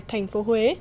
thành phố huế